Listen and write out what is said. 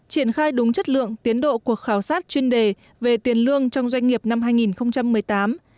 triển khai đúng chất lượng tiến độ cuộc khảo sát chuyên đề về tiền lương trong doanh nghiệp năm hai nghìn một mươi tám